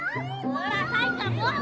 mau rasain kamu